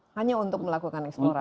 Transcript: hanya untuk melakukan eksplorasi